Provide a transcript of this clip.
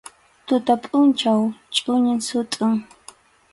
Tuta pʼunchaw chʼuqñin sutʼun.